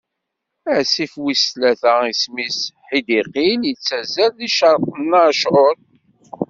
Asif wis tlata isem-is Ḥidiqil, ittazzal di ccerq n Acur.